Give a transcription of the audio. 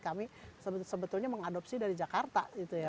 kami sebetulnya mengadopsi dari jakarta